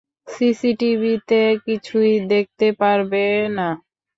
সিসিটিভিতে কিছুই দেখতে পারবে না।